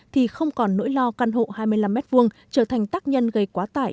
thì không còn nỗi lo căn hộ hai mươi năm m hai trở thành tác nhân gây quá tải